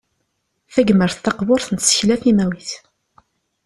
Tagmert taqburt n tsekla timawit.